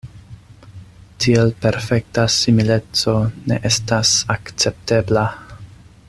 Tiel perfekta simileco ne estas akceptebla.